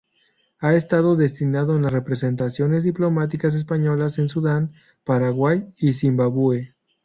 Ha estado destinado en las representaciones diplomáticas españolas en Sudán, Paraguay y Zimbabue.